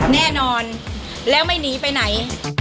แน่นอนแล้วไม่หนีไปไหน